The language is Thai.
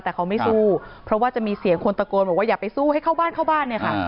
แต่เขาไม่สู้เพราะว่าจะมีเสียงคนตะโกนบอกว่าอย่าไปสู้ให้เข้าบ้านเข้าบ้านเนี่ยค่ะ